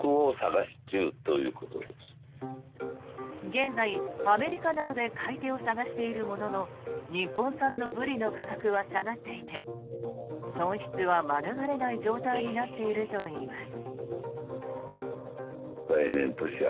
現在、アメリカなどで買い手を探しているものの日本産のブリの価格は下がっていて損失は免れない状態になっているといいます。